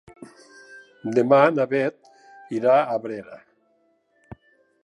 Demà na Beth irà a Abrera.